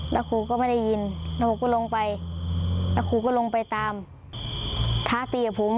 แล้วครูก็ไม่ได้ยินแล้วผมก็ลงไปแล้วครูก็ลงไปตามท้าตีกับผม